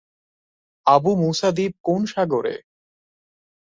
Abu Musa দ্বীপ কোন সাগরে?